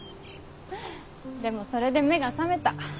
でもそれで目が覚めた。